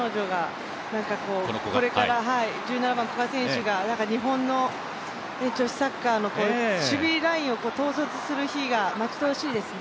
１７番、古賀選手が日本の女子サッカーの守備ラインを統率する日が待ち遠しいですね。